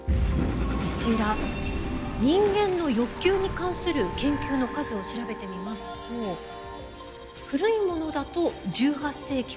こちら人間の欲求に関する研究の数を調べてみますと古いものだと１８世紀から。